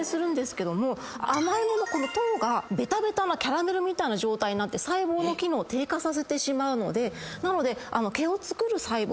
甘い物この糖がベタベタなキャラメルみたいな状態になって細胞の機能を低下させてしまうので毛を作る細胞